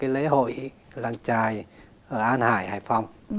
cái lễ hội làng trài ở an hải hải phòng